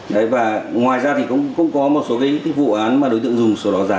đấy và ngoài ra thì cũng có một số cái vụ án mà đối tượng dùng sổ đỏ giả